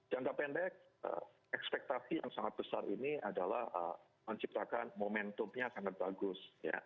jangka pendek ekspektasi yang sangat besar ini adalah menciptakan momentumnya sangat bagus